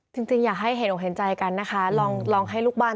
จริงอยากให้เห็นอกเห็นใจกันนะคะลองให้ลูกบ้าน